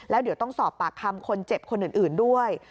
แล้วเดี๋ยวต้องสอบปากคำคนเจ็บคนอื่นด้วย